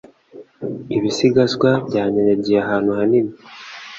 Ibisigazwa byanyanyagiye ahantu hanini.